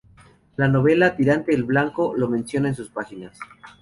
La novela "Tirante el Blanco" lo menciona en sus páginas.